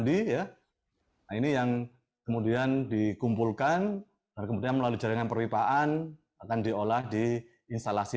nah ini yang kemudian dikumpulkan dan kemudian melalui jaringan perwipaan akan diolah di instalasi